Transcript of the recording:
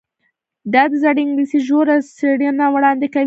دا د زړې انګلیسي ژوره څیړنه وړاندې کوي.